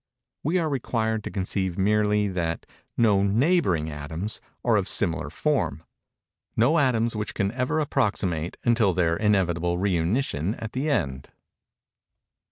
We are required to conceive merely that no neighboring atoms are of similar form—no atoms which can ever approximate, until their inevitable rëunition at the end.